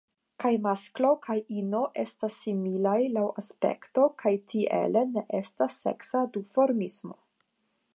Kaj masklo kaj ino estas similaj laŭ aspekto, kaj tiele ne estas seksa duformismo.